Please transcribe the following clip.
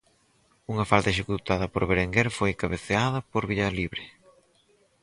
Unha falta executada por Berenguer foi cabeceada por Villalibre.